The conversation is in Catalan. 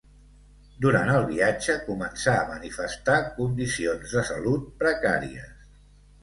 Durant el viatge començà a manifestar condicions de salut precàries.